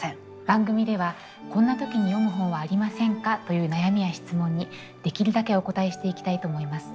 番組では「こんな時に読む本はありませんか？」という悩みや質問にできるだけお応えしていきたいと思います。